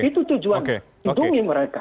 itu tujuan hitungi mereka